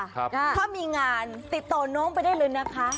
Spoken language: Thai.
ถ้ามีงานติดต่อน้องไปได้เลยนะคะ